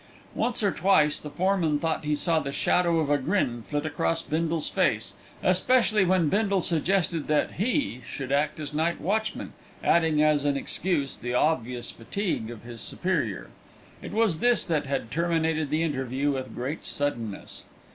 Once or twice the foreman thought he saw the shadow of a grin flit across Bindle's face, especially when Bindle suggested that he should act as night watchman, adding as an excuse the obvious fatigue of his superior. It was this that had terminated the interview with great suddenness.